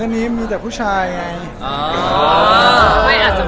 นี้มีแปบผู้ชายมีแบบ